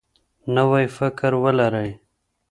نوی فکر ولرئ.